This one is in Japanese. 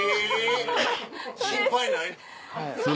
心配ないの？